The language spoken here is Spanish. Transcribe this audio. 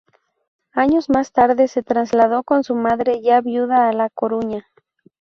Años más tarde se trasladó con su madre, ya viuda, a La Coruña.